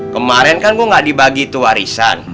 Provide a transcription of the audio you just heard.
kemarin kan gue gak dibagi itu warisan